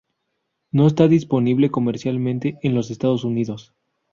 No está disponible comercialmente en los Estados Unidos.